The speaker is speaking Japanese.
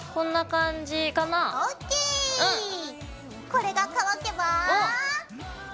これが乾けば。